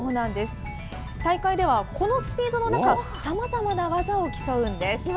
大会ではこのスピードの中、さまざまな技を競うんです。